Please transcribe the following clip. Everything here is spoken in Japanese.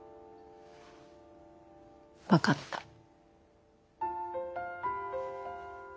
分かった。